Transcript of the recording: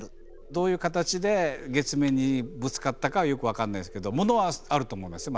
どういう形で月面にぶつかったかはよく分かんないですけどものはあると思うんですよ